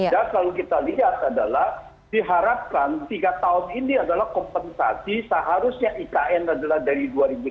dan kalau kita lihat adalah diharapkan tiga tahun ini adalah kompensasi seharusnya ikn adalah dari dua ribu sembilan belas